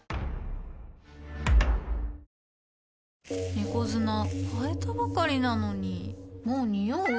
猫砂替えたばかりなのにもうニオう？